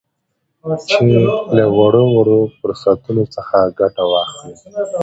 چې چې له وړ وړ فرصتونو څخه ګته واخلي